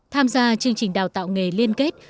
tham gia chương trình đào tạo nghề liên kết